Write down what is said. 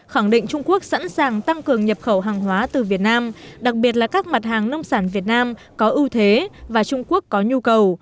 khẳng định trung quốc sẵn sàng tăng cường nhập khẩu hàng hóa từ việt nam đặc biệt là các mặt hàng nông sản việt nam có ưu thế và trung quốc có nhu cầu